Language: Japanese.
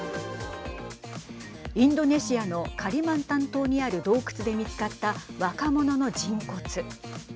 インドネシアのカリマンタン島にある、洞窟で見つかった若者の人骨。